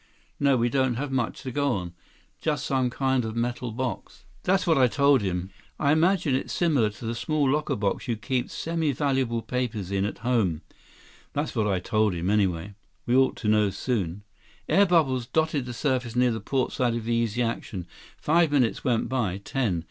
"No, we don't have much to go on. Just some kind of metal box." "That's what I told him. I imagine it's similar to the small locker box you keep semi valuable papers in at home. That's what I told him, anyway." "We ought to know soon." Air bubbles dotted the surface near the port side of the Easy Action. Five minutes went by. Ten.